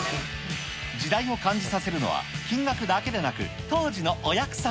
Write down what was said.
時代を感じさせるのは、金額だけでなく、当時のお約束。